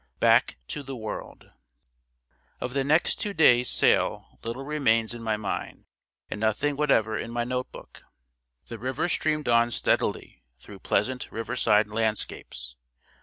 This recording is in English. BACK TO THE WORLD OF the next two days' sail little remains in my mind, and nothing whatever in my note book. The river streamed on steadily through pleasant river side landscapes.